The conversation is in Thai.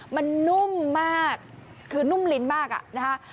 มันนุ่มมากคือนุ่มลิ้นมากอะนะคะ